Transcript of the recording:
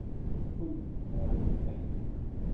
Původním povoláním technik.